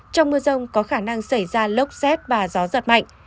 trong mưa rông có khả năng xảy ra lốc xét và gió giật mạnh